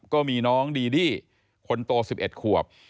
ก็มีน้องดีดี้คนโต๑๑ขวบ